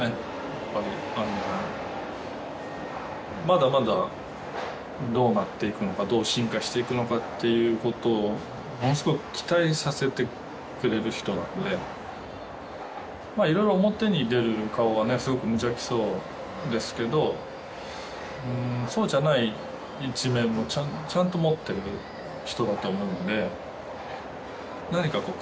やっぱりまだまだどうなっていくのかどう進化していくのかっていうことをものすごく期待させてくれる人なんでまぁいろいろ表に出る顔はねすごく無邪気そうですけどうんそうじゃない一面もちゃんと持ってる人だと思うので何かこう